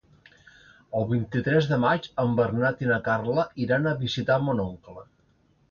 El vint-i-tres de maig en Bernat i na Carla iran a visitar mon oncle.